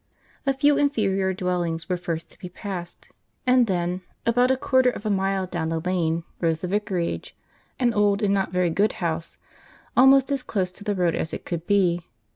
A few inferior dwellings were first to be passed, and then, about a quarter of a mile down the lane rose the Vicarage, an old and not very good house, almost as close to the road as it could be.